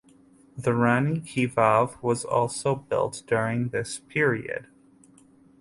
The Rani ki vav was also built during this period.